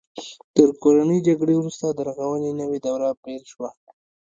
تر کورنۍ جګړې وروسته د رغونې نوې دوره پیل شوه.